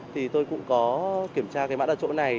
thì tôi cũng có kiểm tra cái mã đặt chỗ này